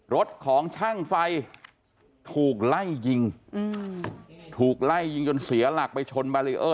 รถของช่างไฟถูกไล่ยิงถูกไล่ยิงจนเสียหลักไปชนบารีเออร์